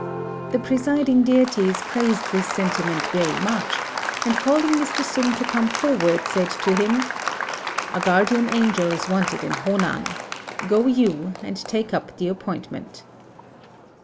The presiding deities praised this sentiment very much, and calling Mr. Sung to come forward, said to him, "A Guardian Angel is wanted in Honan. Go you and take up the appointment."